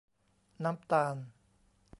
น้ำตาล